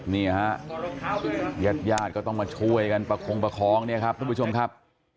นี่ฮะญาติญาติก็ต้องมาช่วยกันประคองประคองเนี่ยครับทุกผู้ชมครับ